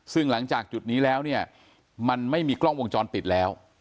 ซึ่งหลังจากจุดนี้แล้วเนี่ยมันไม่มีกล้องวงจรปิดแล้ว